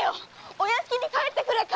お屋敷に帰ってくれ！